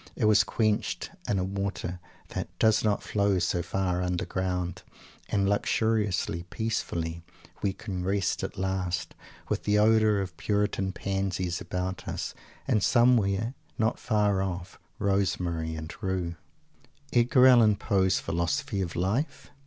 It was quenched in a water that "does not flow so far underground." And luxuriously, peacefully, we can rest at last, with the odour of "puritan pansies" about us, and somewhere, not far off, rosemary and rue! Edgar Allen Poe's philosophy of Life?